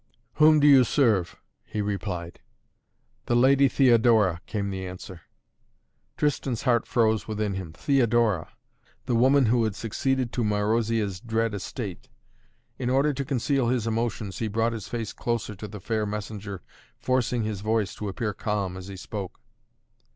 "Whom do you serve?" he replied. "The Lady Theodora!" came the answer. Tristan's heart froze within him. Theodora the woman who had succeeded to Marozia's dread estate! In order to conceal his emotions he brought his face closer to the fair messenger, forcing his voice to appear calm as he spoke.